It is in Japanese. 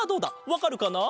わかるかな？